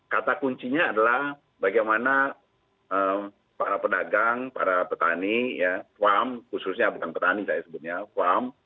kata kuncinya adalah bagaimana para pedagang para petani farm khususnya bukan petani saya sebutnya farm